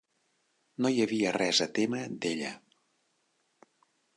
No hi havia res a témer d'ella.